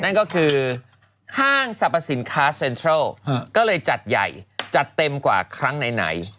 นั่นก็คือห้างสรรพสินค้าเซ็นทรัลก็เลยจัดใหญ่จัดเต็มกว่าครั้งไหน